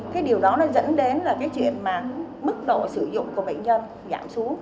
cái điều đó nó dẫn đến là cái chuyện mà mức độ sử dụng của bệnh nhân giảm xuống